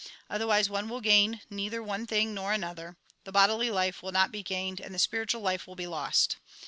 Otherwise, one will gain neither one thing nor another ; the bodily life will not be gained, and the spiritual life will be lost.